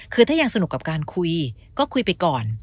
คือถ้ายังสนุกกับการคุยก็คุยไปก่อน